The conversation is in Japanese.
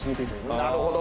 なるほど。